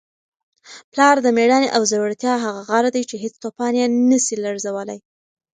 پلار د مېړانې او زړورتیا هغه غر دی چي هیڅ توپان یې نسي لړزولی.